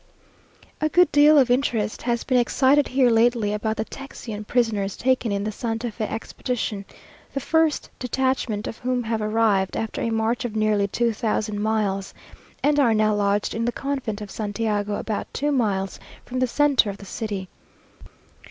A good deal of interest has been excited here lately about the Texian prisoners taken in the Santa Fe expedition, the first detachment of whom have arrived, after a march of nearly two thousand miles, and are now lodged in the convent of Santiago, about two miles from the centre of the city.